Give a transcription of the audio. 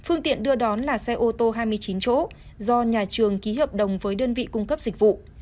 phương tiện đưa đón là xe ô tô hai mươi chín chỗ do nhà trường ký hợp đồng với đơn vị cung cấp dịch vụ